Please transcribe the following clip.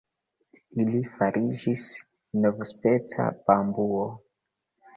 Ili fariĝis novspeca bambuo.